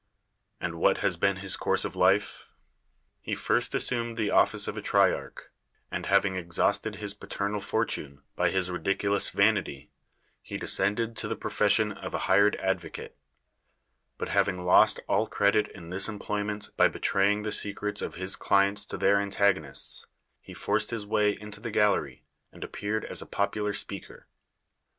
And wliat has been liis course of life? lie firsr assnmefi tho office of a triearch, and, having exhausted his ])ati rnal fortune Ity his ridiculoub THE WORLD'S FAMOUS ORATIONS vauity, he descended to the profession of a hired advocate; but having lost all credit in this em ployment by betraying the secrets of his clients to their antagonists, he forced his way into the gallery, and appeared as a popular speaker.